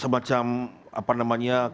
semacam apa namanya